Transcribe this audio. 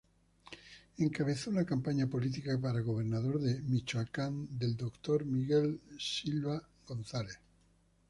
Encabezó la campaña política para gobernador de Michoacán del doctor Miguel Silva González.